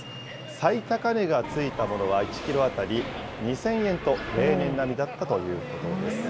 最高値がついたものは、１キロ当たり２０００円と、例年並みだったということです。